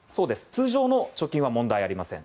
通常の貯金は問題ありません。